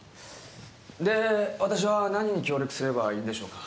で私は何に協力すればいいんでしょうか？